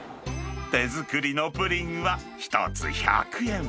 手作りのプリンは、１つ１００円。